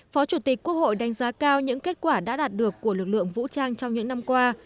phó chủ tịch quốc hội đánh giá cao những kết quả đã đạt được của lực lượng vũ trang trong những năm qua